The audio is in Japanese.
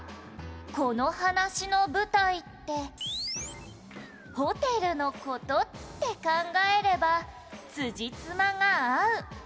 この話の舞台ってホテルの事って考えればつじつまが合う！」